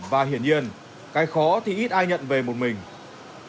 và hiển nhiên cái khó thì ít ai nhận về một mình